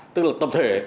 tức là tập thể